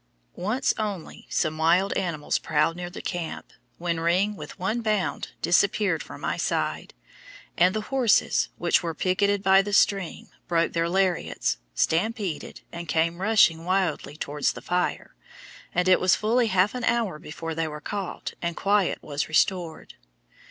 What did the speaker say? Once only some wild animals prowled near the camp, when "Ring," with one bound, disappeared from my side; and the horses, which were picketed by the stream, broke their lariats, stampeded, and came rushing wildly towards the fire, and it was fully half an hour before they were caught and quiet was restored.